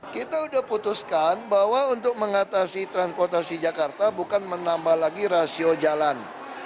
kita sudah putuskan bahwa untuk mengatasi transportasi jakarta bukan menambah lagi rasio jalan